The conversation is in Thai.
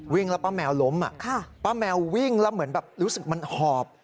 แล้วป้าแมวล้มป้าแมววิ่งแล้วเหมือนแบบรู้สึกมันหอบ